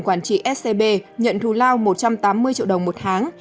chủ tịch hội đồng quản trị scb nhận thù lao một trăm tám mươi triệu đồng một tháng